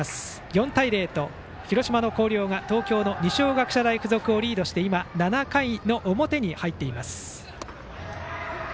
４対０と広島の広陵が東京の二松学舎大付属をリードして今、７回の表に入っています。